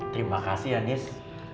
terima kasih anies